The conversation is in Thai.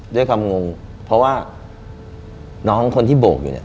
ด้วยความงงเพราะว่าน้องคนที่โบกอยู่เนี่ย